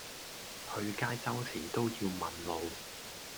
去街周時都要問路